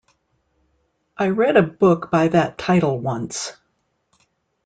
I read a book by that title once.